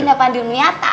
pindah pandun miata